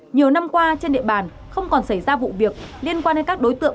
nhiều năm qua trên địa bàn không còn xảy ra vụ việc liên quan đến các đối tượng